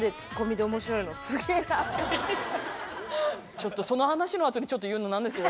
ちょっとその話のあとにちょっと言うの何ですけど